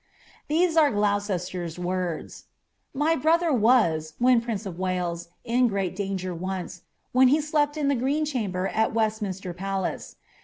These are Glouoealer' "■ My brother was, when prince oi Wales, in great danger oitce, nl alept in the green chamber al Weaiminster palace.